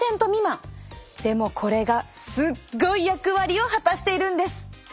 でもこれがすっごい役割を果たしているんです。